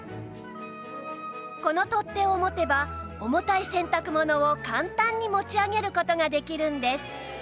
この取っ手を持てば重たい洗濯物を簡単に持ち上げる事ができるんです